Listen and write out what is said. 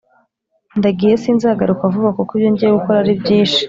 Ndagiye sinzagaruka vuba kuko ibyo ngiye gukora ari byishi